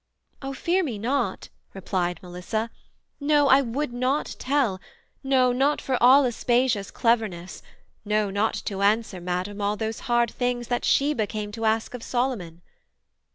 'Ah, fear me not' Replied Melissa; 'no I would not tell, No, not for all Aspasia's cleverness, No, not to answer, Madam, all those hard things That Sheba came to ask of Solomon.'